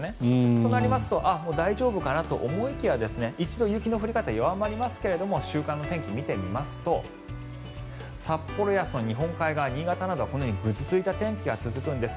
そうなりますと大丈夫かなと思いきや一度、雪の降り方は弱まりますが週間の天気を見てみますと札幌や日本海側、新潟などはこのようにぐずついた天気が続くんです。